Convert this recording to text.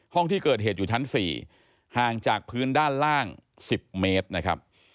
ห้องที่เกิดเหตุอยู่ชั้น๔ห่างจากพื้นด้านล่าง๑๐เมตรนะครับ